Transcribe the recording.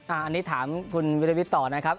อันนี้ถามคุณวิรวิทย์ต่อนะครับ